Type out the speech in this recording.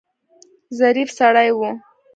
ظریف سړی و.